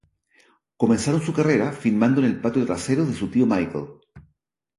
Comenzaron su carrera filmando en el patio trasero de su tío Michael.